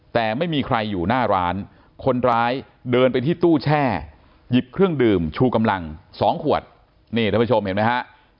แต่ไม่มีใครอยู่หน้าร้านคนร้ายเดินไปที่ตู้แช่หยิบเครื่องดื่มชูกำลัง๒ขวดนี่ท่านผู้ชมเห็นไหมฮะ